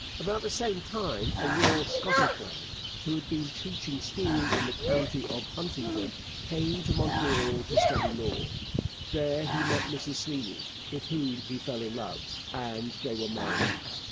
About the same time a raw Scottish lad, who had been teaching school in the county of Huntingdon, came to Montreal to study law. There he met Mrs Sweeny, with whom he fell in love, and they were married.